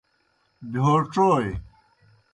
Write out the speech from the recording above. بہیو ڇوئے۔